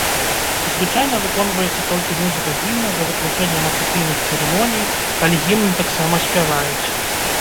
Звычайна выконваецца толькі музыка гімна, за выключэннем афіцыйных цырымоній, калі гімн таксама спяваюць.